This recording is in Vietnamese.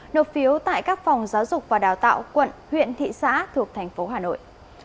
nộp phiếu tại các phòng giáo dục và đào tạo quận huyện thị xã thuộc thành phố hà nội